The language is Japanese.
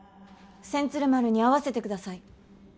千鶴丸に会わせてください。